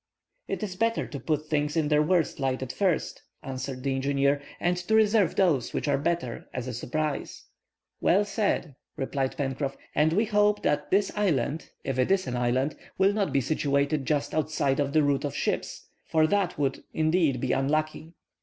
"It is better to put things in their worst light at first," answered the engineer; "and to reserve those which are better, as a surprise." "Well said," replied Pencroff. "And we hope that this island, if it is an island, will not be situated just outside of the route of ships; for that would, indeed, be unlucky."